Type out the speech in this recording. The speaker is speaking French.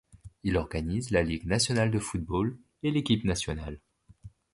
Il organise la ligue nationale de football et l'équipe nationale.